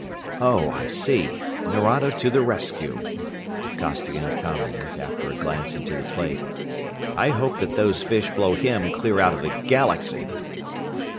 "Oh, I see Nerado to the rescue," Costigan commented, after a glance into the plate. "I hope that those fish blow him clear out of the Galaxy!"